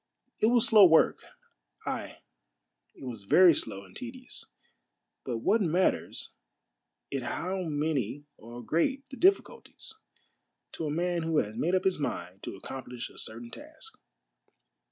It was slow work, ay, it was very slow and tedious, but what matters it how many or great the difficulties, to a man who has made up his mind to accomplish a certain task